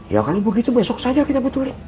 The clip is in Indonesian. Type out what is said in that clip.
ya kan begitu besok saja kita betulin